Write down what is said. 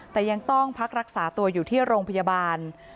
แต่ยังต้องพักรักษาตัวอยู่ที่โรงพยาบาล